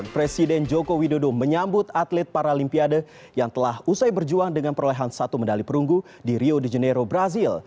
presiden joko widodo menyambut atlet paralimpiade yang telah usai berjuang dengan perolehan satu medali perunggu di rio de janeiro brazil